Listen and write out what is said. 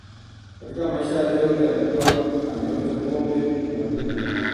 Katika maisha yake yote, alikuwa ameonja pombe mara mbili tu